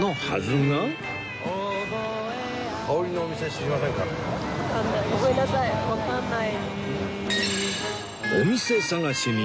はい。